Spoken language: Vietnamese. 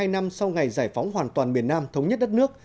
bốn mươi hai năm sau ngày giải phóng hoàn toàn miền nam thống nhất đất nước